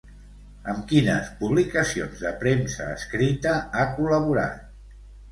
Amb quines publicacions de premsa escrita ha col·laborat?